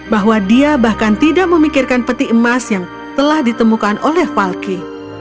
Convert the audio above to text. bahwa dia bahkan tidak memikirkan peti emas yang telah ditemukan oleh falky